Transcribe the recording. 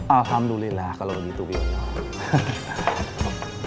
alhamdulillah kalau begitu biyoyo